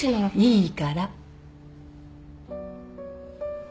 いいから。